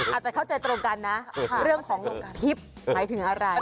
อาจจะเข้าใจตรงกันนะเรื่องของทิพย์หมายถึงอะไร